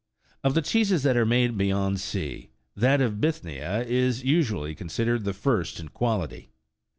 Of. the cheeses that are made beyond sea, that of Bithyma32 is usually considered the first in quality.